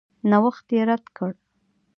نوښت یې رد کړ.